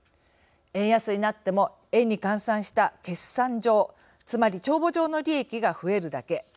円安になっても円に換算した決算上つまり帳簿上の利益が増えるだけ。